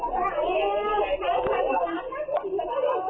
มูล